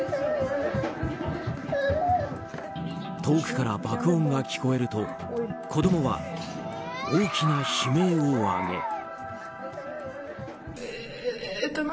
遠くから爆音が聞こえると子供は大きな悲鳴を上げ。